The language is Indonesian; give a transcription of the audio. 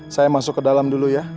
saya masuk ke dalam dulu ya